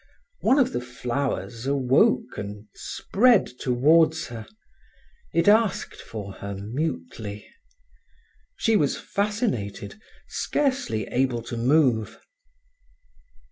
One of the flowers awoke and spread towards her. It asked for her mutely. She was fascinated, scarcely able to move.